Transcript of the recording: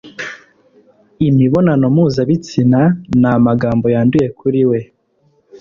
imibonano mpuzabitsina n'amagambo yanduye kuri we